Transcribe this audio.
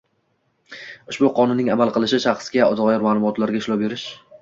Ushbu Qonunning amal qilishi shaxsga doir ma’lumotlarga ishlov berish